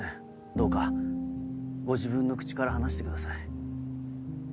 どうかご自分の口から話してください。